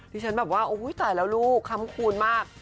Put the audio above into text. ที่ฉันแบบว่าโอ้ยไอละลูกคำคูณมาก